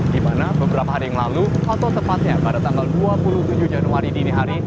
di mana beberapa hari yang lalu atau tepatnya pada tanggal dua puluh tujuh januari dini hari